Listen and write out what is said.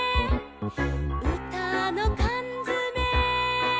「うたのかんづめ」